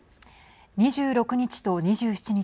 ２６日と２７日